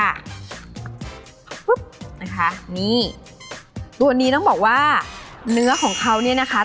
นะคะนี่ตัวนี้ต้องบอกว่าเนื้อของเขาเนี่ยนะคะ